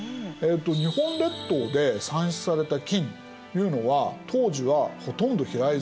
日本列島で産出された金というのは当時はほとんど平泉周辺。